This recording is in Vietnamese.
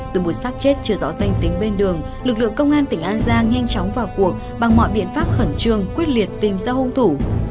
từ buổi sát chết chưa rõ danh tính bên đường lực lượng công an tỉnh an giang nhanh chóng vào cuộc bằng mọi biện pháp khẩn trương quyết liệt tìm ra hung thủ